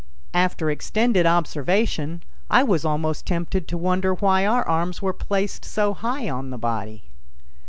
After extended observation, I was almost tempted to wonder why our arms were placed so high on the body.